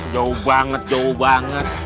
jauh banget jauh banget